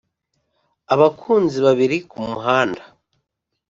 abakunzi babiri kumuhanda